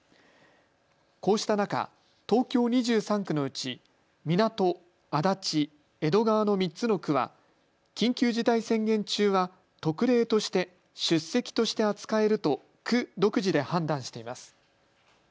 こうした中、東京２３区のうち港、足立、江戸川の３つの区は緊急事態宣言中は特例として出席として扱えると区独自で判断しています。